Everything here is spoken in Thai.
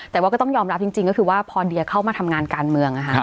แต่ว่าก็ต้องยอมรับจริงก็คือว่าพอเดียเข้ามาทำงานการเมือง